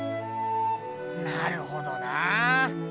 なるほどなあ。